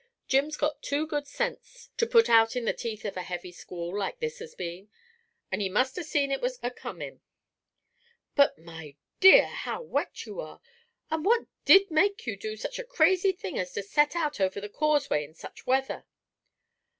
Jim's got too good sense to put out in the teeth of a heavy squall like this has been. An' he must ha' seen it was a comin'. But, my dear, how wet you are! And what did make you do such a crazy thing as to set out over the causeway in such weather?"